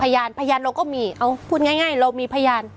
พยานพยานเราก็มีเอาพูดง่ายเรามีพยาน